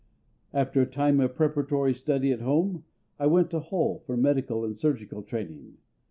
After a time of preparatory study at home, I went to Hull for medical and surgical training.